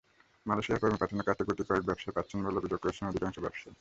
মালয়েশিয়ায় কর্মী পাঠানোর কাজটি গুটি কয়েক ব্যবসায়ী পাচ্ছেন বলে অভিযোগ করেছেন অধিকাংশ ব্যবসায়ী।